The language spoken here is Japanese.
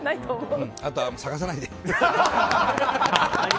あと探さないで。